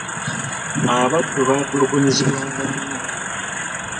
Abaddu baatulugunyizibwanga nnyo.